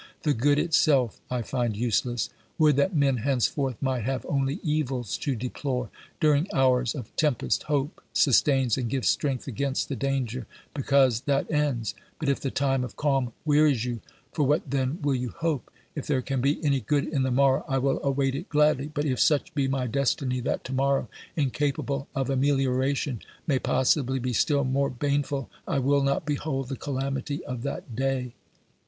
The good itself I find useless; would that men henceforth might have only evils to deplore ! During hours of tempest hope sustains and gives strength against the danger, because that ends, but if the time of calm wearies you, for what then will you hope? If there can be any good in the morrow I will await it gladly, but if such be my destiny that to morrow, incapable of amelioration, may possibly be still more baneful, I will not behold the calamity of that day.